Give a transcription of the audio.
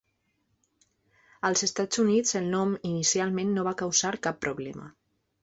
Als Estats Units, el nom inicialment no va causar cap problema.